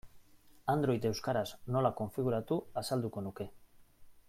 Android euskaraz nola konfiguratu azalduko nuke.